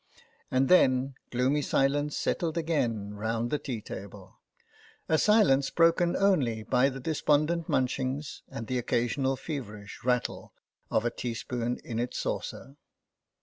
And then gloomy silence settled again round the tea table, a silence broken only by despondent munchings and the occasional feverish rattle of a teaspoon in its saucer.